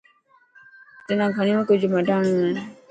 تنا گهڻيون ڪجهه مڍاڻو هي.